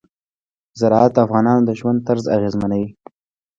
زراعت د افغانانو د ژوند طرز اغېزمنوي.